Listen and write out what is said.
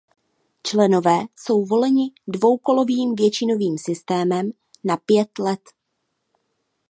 Členové jsou voleni dvoukolovým většinovým systémem na pět let.